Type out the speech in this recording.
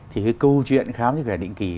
thì cái câu chuyện khám sức khỏe định kỳ